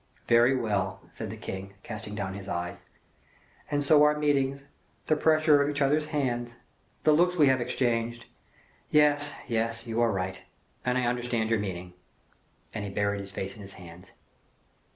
"Very well," said the king, casting down his eyes. "And so our meetings, the pressure of each other's hand, the looks we have exchanged Yes, yes; you are right, and I understand your meaning," and he buried his face in his hands.